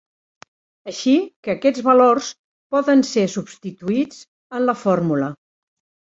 Així que aquests valors poden ser substituïts en la fórmula.